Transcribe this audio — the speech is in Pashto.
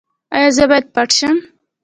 ایا زه باید پټ شم؟